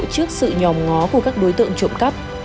trước sự nhòm ngó của các đối tượng trộm cắp